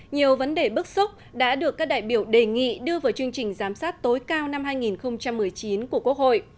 nhiều vấn đề bức xúc đã được các đại biểu đề nghị đưa vào chương trình giám sát tối cao năm hai nghìn một mươi chín của quốc hội